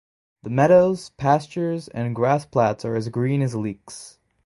The meadows, pastures and grass plats are as green as leeks.